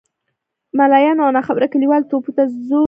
ملایانو او ناخبره کلیوالو توبو ته زور ورکړ.